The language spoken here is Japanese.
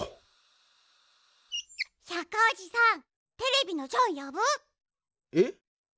百科おじさんテレビのジョンよぶ？え？